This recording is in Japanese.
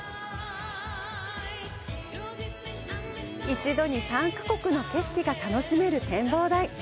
一度に３か国の景色が楽しめる展望台。